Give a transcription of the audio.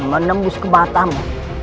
menembus ke matamu